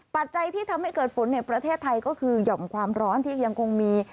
ปัจจัยที่ทำให้เกิดฝนในประเทศไทยก็คือหย่อมความร้อนที่ยังคงมี